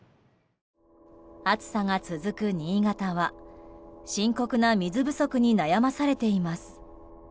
暑さが続く新潟は、深刻な水不足に悩まされています。